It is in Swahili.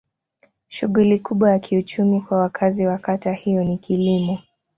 Shughuli kubwa ya kiuchumi kwa wakazi wa kata hiyo ni kilimo.